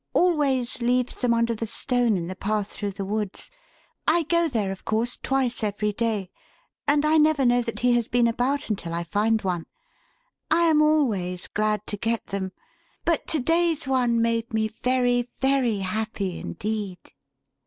Always leaves them under the stone in the path through the woods. I go there, of course, twice every day, and I never know that he has been about until I find one. I am always glad to get them, but to day's one made me very, very happy indeed."